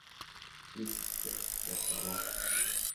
"Pisce, per favor."